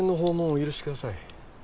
お許しください